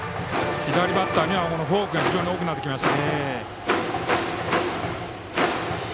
左バッターにはフォークが多くなってきました。